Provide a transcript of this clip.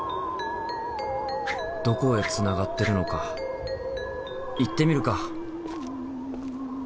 どこへつながってるのか行ってみるか。